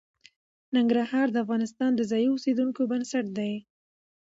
ننګرهار د افغانستان د ځایي اقتصادونو بنسټ دی.